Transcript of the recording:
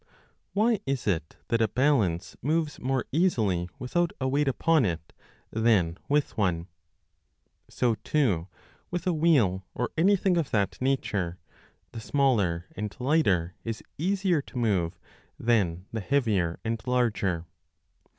WHY is it that a balance moves more easily without lo a weight upon it than with one ? So too with a wheel 25 or anything of that nature, the smaller and lighter is easier to move than the heavier and larger.